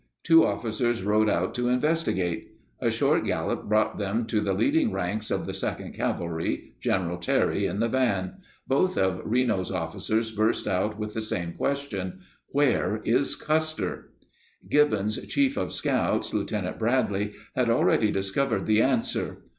Two officers rode out to investigate. A short gallop brought them to the leading ranks of the 2d Cavalry, General Terry in the van. Both of Reno's officers burst out with the same question: Where is Custer? Gibbon's chief of scouts, Lieutenant Bradley, had already discovered the answer.